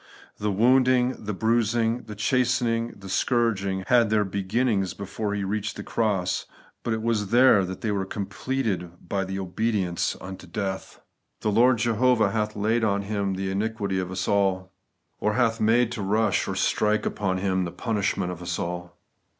The wounding, the bruising, the chastening, and the scourging had their beginnings before He reached the cross ; but it was there that they were all completed by ' the obedience unto death* 'The Lord (Jehovah) hath laid on Him the iniquity of us all ;' or, hath made to rush or strike upon Him the punishment of us all.